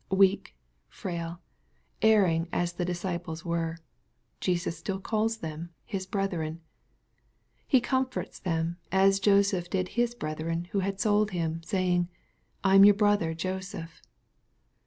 Weak, firail, erring as the disciples were, Jesus still calls them His " brethren." He comforts them, as Joseph did his brethren who had sold him, saying, " I am your brother Joseph."